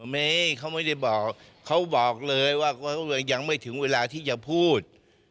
ไม่เขาไม่ได้บอกเขาบอกเลยว่ายังไม่ถึงเวลาที่จะพูด